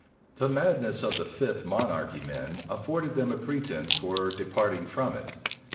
The madness of the Fifth Monarchy men afforded them a pretence for departing from it.